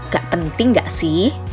gak penting gak sih